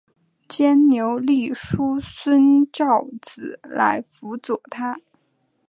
竖牛立叔孙昭子来辅佐他。